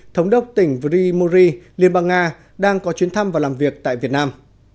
thống đốc tỉnh primori liên bang nga đang có chuyến thăm và làm việc tại việt nam